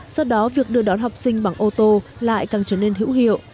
do đó việc đưa đón học sinh bằng ô tô lại càng trở nên hữu hiệu